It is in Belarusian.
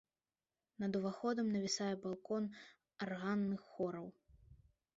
Над уваходам навісае балкон арганных хораў.